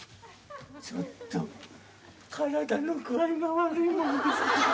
ちょっと体の具合が悪いもんで。